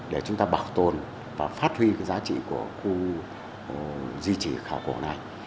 để chúng ta bảo tồn và phát huy giá trị của khu di chỉ khảo cổ này